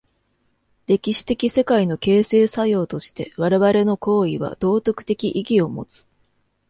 歴史的世界の形成作用として我々の行為は道徳的意義を有つ。